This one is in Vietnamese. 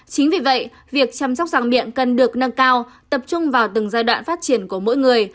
chính vì vậy việc chăm sóc răng miệng cần được nâng cao tập trung vào từng giai đoạn phát triển của mỗi người